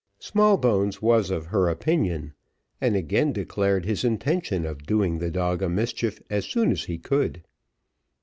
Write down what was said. Smallbones was of her opinion, and again declared his intention of doing the dog a mischief as soon as he could.